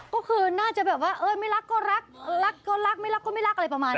ก็คือน่าจะแบบว่าเออไม่รักก็รักรักก็รักไม่รักก็ไม่รักอะไรประมาณนี้